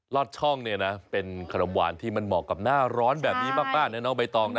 อดช่องเนี่ยนะเป็นขนมหวานที่มันเหมาะกับหน้าร้อนแบบนี้มากนะน้องใบตองนะ